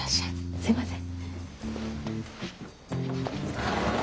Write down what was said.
すいません。